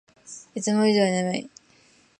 いつも以上に眠い